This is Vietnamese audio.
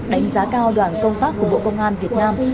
đánh giá cao đoàn công tác của bộ công an việt nam